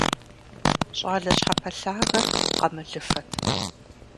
ЩӀалэ щхьэпэлъагэр къамылыфэт.